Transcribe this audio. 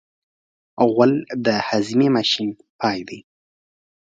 غول د هاضمې ماشین پای دی.